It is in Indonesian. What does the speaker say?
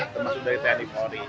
termasuk dari tni polri